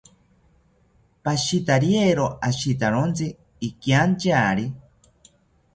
Pashitariero ashitawontzi ikiantyari